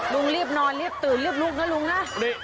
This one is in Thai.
ลุงรีบนอนรีบตื่นรีบลูกนะลุงนะ